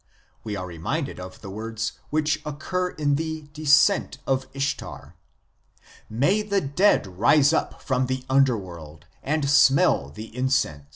We are reminded of the words which occur in the Descent of Ishtar :" May the dead rise up [from the underworld] and smell the incense."